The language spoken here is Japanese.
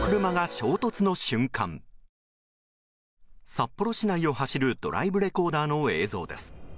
札幌市内を走るドライブレコーダーの映像です。